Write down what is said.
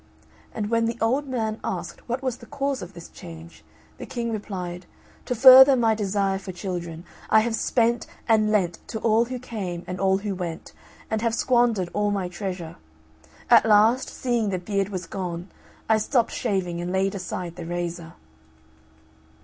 And when the old man asked what was the cause of this change, the King replied, "To further my desire for children, I have spent and lent to all who came and all who went, and have squandered all my treasure. At last, seeing the beard was gone, I stopped shaving and laid aside the razor."